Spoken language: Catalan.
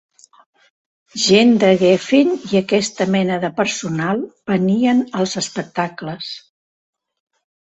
Gent de Geffen i aquesta mena de personal venien als espectacles.